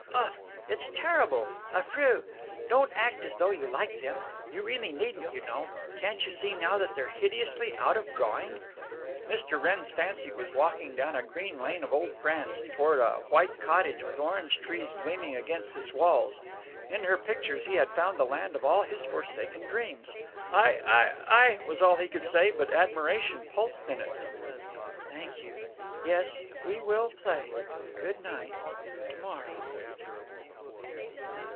Uff! It's terrible. Affreux! Don't act as though you liked them. You really needn't, you know. Can't you see now that they're hideously out of drawing?" Mr. Wrenn's fancy was walking down a green lane of old France toward a white cottage with orange trees gleaming against its walls. In her pictures he had found the land of all his forsaken dreams. "I—I—I—" was all he could say, but admiration pulsed in it. "Thank you…. Yes, we will play. Good night. To morrow!"